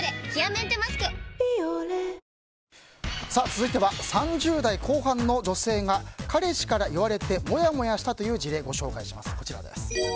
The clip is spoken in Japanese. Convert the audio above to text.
続いては、３０代後半の女性が彼氏から言われてもやもやしたという事例をご紹介します。